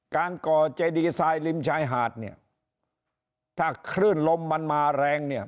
ก่อเจดีไซน์ริมชายหาดเนี่ยถ้าคลื่นลมมันมาแรงเนี่ย